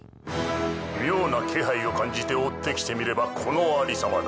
妙な気配を感じて追ってきてみればこの有り様だ。